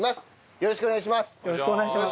よろしくお願いします。